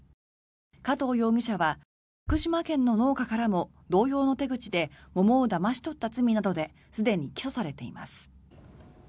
加藤容疑者は福島県の農家からも同様の手口で桃をだまし取った罪などですでに起訴されています。